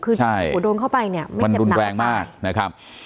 คือถูกโดนเข้าไปไม่เจ็บหนังหรือเปล่าใช่มันรุนแรงมาก